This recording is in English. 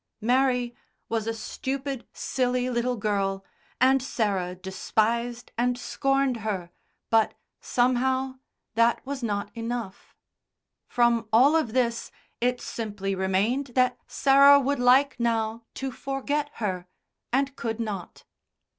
Mary was a stupid, silly little girl, and Sarah despised and scorned her, but, somehow, that was not enough; from all of this, it simply remained that Sarah would like now to forget her, and could not.